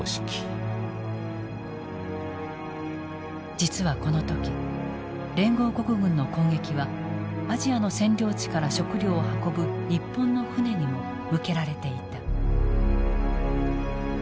実はこの時連合国軍の攻撃はアジアの占領地から食料を運ぶ日本の船にも向けられていた。